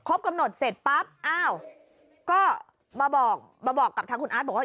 กำหนดเสร็จปั๊บอ้าวก็มาบอกมาบอกกับทางคุณอาร์ตบอกว่า